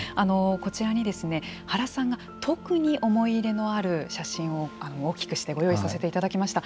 こちらに原さんの特に思い入れのある写真を大きくしてご用意させていただきました。